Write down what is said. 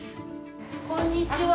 こんにちは。